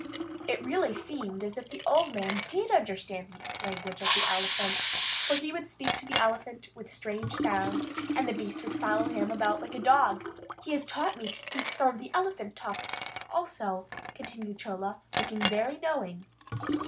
It really seemed as if the old man did understand the language of the elephants, for he would speak to the elephant with strange sounds, and the beast would follow him about like a dog. "He has taught me to speak some of the elephant talk, also," continued Chola, looking very knowing.